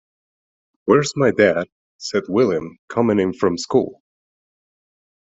“Where’s my dad?” said William, coming in from school.